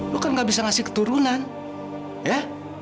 lu kan gak bisa ngasih keturunan ya